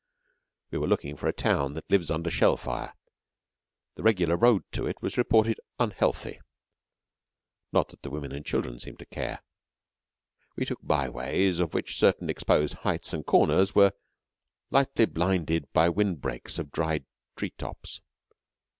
We were looking for a town that lives under shell fire. The regular road to it was reported unhealthy not that the women and children seemed to care. We took byways of which certain exposed heights and corners were lightly blinded by wind brakes of dried tree tops.